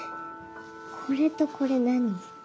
これとこれ何？